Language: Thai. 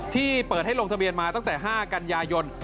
ที่เปิดให้ลงทะเบียนมาตั้งแต่๕กันยายน